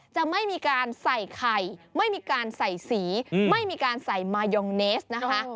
จะไม่มีการใส่ไข่ไม่มีการใส่สีไม่มีการใส่มายองเนสนะคะ